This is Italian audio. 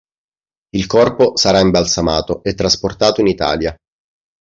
Il corpo sarà imbalsamato e trasportato in Italia.